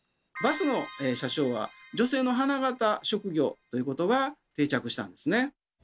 「バスの車掌は女性の花形職業」ということが定着したんですね。